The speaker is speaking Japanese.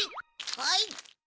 はい！